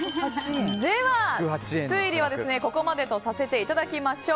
では、推理はここまでとさせていただきましょう。